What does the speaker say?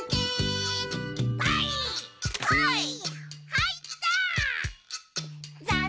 はいったー！